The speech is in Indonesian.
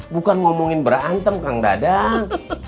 bukan ngomongin berantem kang dadang